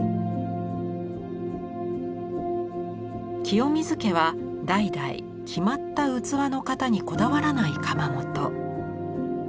清水家は代々決まった器の型にこだわらない窯元。